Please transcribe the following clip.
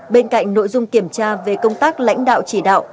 bên cạnh nội dung kiểm tra về công tác lãnh đạo chỉ đạo